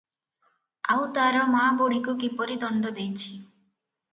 ଆଉ ତାର ମାଁ ବୁଢ଼ୀକୁ କିପରି ଦଣ୍ଡ ଦେଇଚି?